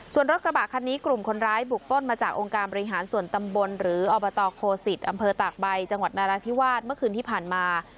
ส่วนรถกระบะคันนี้กลุ่มคนร้ายบุกป้นมาจากองค์การบริหารส่วนตำบลหรืออบตโคสิตอำเภอตากใบจังหวัดนาราธิวาสเมื่อคืนที่ผ่านมา